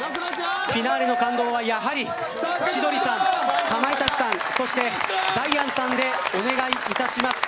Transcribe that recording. フィナーレの感動はやはり千鳥さん、かまいたちさんそしてダイアンさんでお願いいたします。